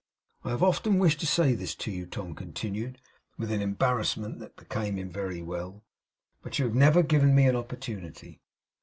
I have often wished to say this to you,' Tom continued with an embarrassment that became him very well, 'but you have never given me an opportunity.